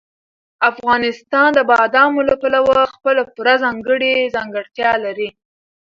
افغانستان د بادامو له پلوه خپله پوره ځانګړې ځانګړتیا لري.